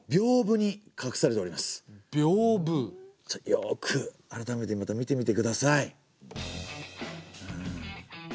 よく改めてまた見てみてください。